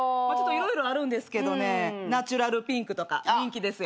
色々あるんですけどねナチュラルピンクとか人気ですよ。